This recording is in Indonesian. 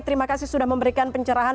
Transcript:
terima kasih sudah memberikan pencerahan